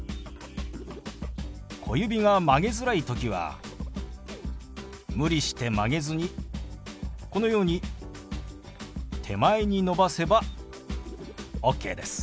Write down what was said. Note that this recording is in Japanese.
小指が曲げづらい時は無理して曲げずにこのように手前に伸ばせばオッケーです。